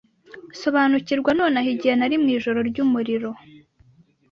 Sobanukirwa nonaha igihe nari mwijoro ryumuriro